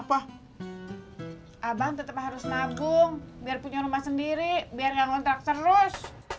abang tetap harus nabung biar punya rumah sendiri biar gak ngontrak terus